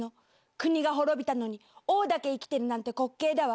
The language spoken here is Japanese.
国が滅びたのに、王だけ生きてるなんて、滑稽だわ。